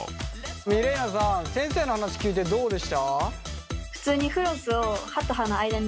ミレイナさん先生の話聞いてどうでした？